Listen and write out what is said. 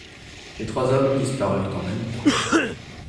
Les trois hommes disparurent en même temps.